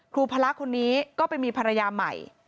ครูพระลักษมณ์คนนี้ก็ไปมีภรรยาใหม่